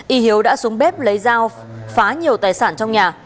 y hiếu đã xuống bếp lấy dao phá nhiều tài sản trong nhà